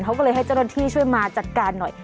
เขาก็เลยให้เจ้าหน้าที่ช่วยมาจัดการหน่อย